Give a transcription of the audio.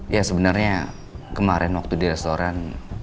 ya sebenarnya kemarin waktu di restoran